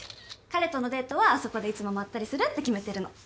彼とのデートはあそこでいつもまったりするって決めてるの。